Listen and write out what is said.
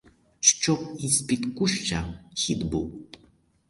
Щоб і з-під куща хід був.